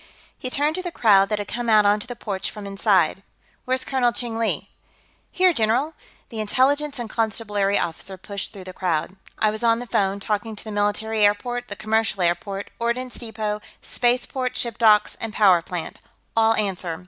He turned to the crowd that had come out onto the porch from inside. "Where's Colonel Cheng Li?" "Here, general." The Intelligence and Constabulary officer pushed through the crowd. "I was on the phone, talking to the military airport, the commercial airport, ordnance depot, spaceport, ship docks and power plant. All answer.